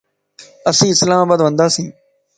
اسين اسلام آباد ونداسين